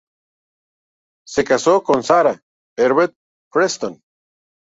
Se casó con Sarah Everett Preston.